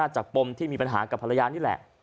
ปมที่มีปัญหากับภรรยานี่แหละ